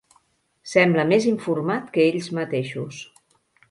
Sembla més informat que ells mateixos.